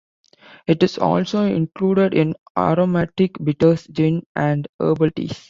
It is also included in aromatic bitters, gin and herbal teas.